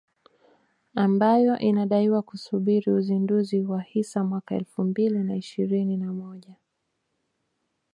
ambayo inadaiwa kusubiri uzinduzi wa hisa mwaka elfu mbili na ishirini na moja